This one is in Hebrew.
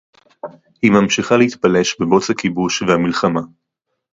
היא ממשיכה להתפלש בבוץ הכיבוש והמלחמה